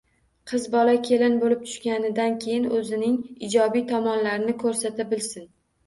Qiz bola kelin bo‘lib tushganidan keyin o‘zining ijobiy tomonlarini ko‘rsata bilsin.